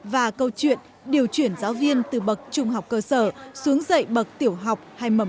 và câu chuyện điều chuyển giáo viên từ bậc trung học cơ sở xuống dậy bậc tiểu học